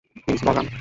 Please, Balaram.